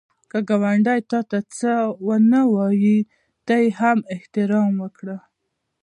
که ګاونډی تا ته څه ونه وايي، ته یې هم احترام وکړه